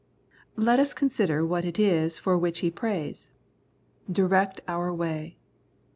Let us consider what it is for which he frays —" Direct our way."